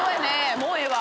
もうええわ。